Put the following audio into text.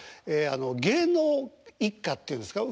あの芸能一家っていうんですか？